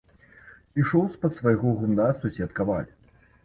Ішоў з-пад свайго гумна сусед каваль.